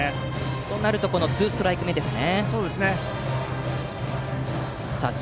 となるとツーストライク目ですね。